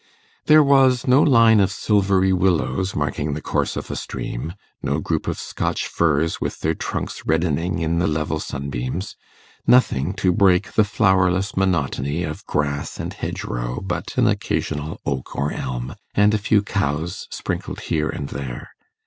There was no line of silvery willows marking the course of a stream no group of Scotch firs with their trunks reddening in the level sunbeams nothing to break the flowerless monotony of grass and hedgerow but an occasional oak or elm, and a few cows sprinkled here and there.